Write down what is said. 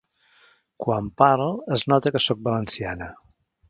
Quan parl, es nota que soc valenciana.